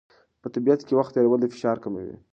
په طبیعت کې وخت تېرول د فشار کموي.